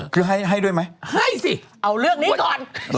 คือให้ด้วยไหมให้สิเอาเรื่องนี้ก่อน